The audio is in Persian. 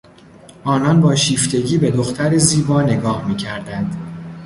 آنان با شیفتگی به دختر زیبا نگاه میکردند.